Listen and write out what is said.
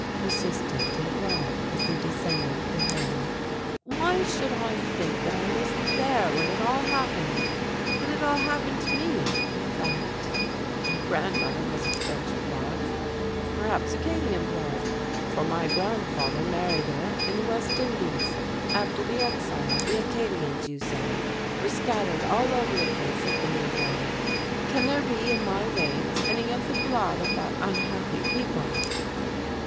persisted Desbra, as they descended the hill. "Why should I think that I was there when it all happened, that it all happened to me, in fact? My grandmother was of French blood, perhaps Acadian blood, for my grandfather married her, in the West Indies. After the exile the Acadians, you say, were scattered all over the face of the New World! Can there be in my veins any of the blood of that unhappy people?"